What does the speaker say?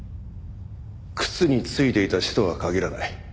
靴に付いていた血とは限らない。